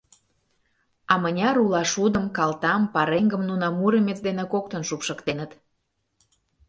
А мыняр ула шудым, кылтам, пареҥгым нуно Муромец дене коктын шупшыктеныт!